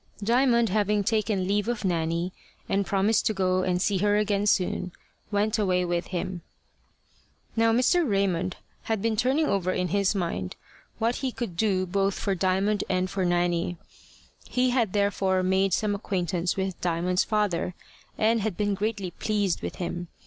Diamond having taken leave of Nanny, and promised to go and see her again soon, went away with him. Now Mr. Raymond had been turning over in his mind what he could do both for Diamond and for Nanny. He had therefore made some acquaintance with Diamond's father, and had been greatly pleased with him.